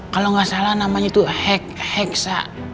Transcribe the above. kalau nggak salah namanya itu heksa